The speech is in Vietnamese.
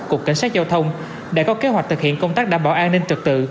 cục cảnh sát giao thông đã có kế hoạch thực hiện công tác đảm bảo an ninh trật tự